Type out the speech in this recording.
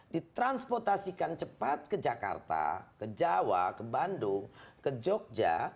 ditransportasikan cepat ke jakarta ke jawa ke bandung ke jogja